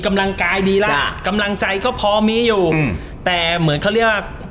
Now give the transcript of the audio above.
กำลังกายดีแล้วกำลังใจก็พอมีอยู่อืมแต่เหมือนเขาเรียกว่า